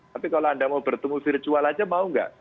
tapi kalau anda mau bertemu virtual aja mau nggak